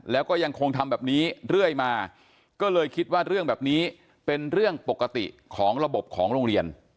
แล้วก็ยังคงทำแบบนี้เรื่อยมาก็เลยคิดว่าเรื่องแบบนี้เป็นเรื่องปกติของระบบของโรงเรียน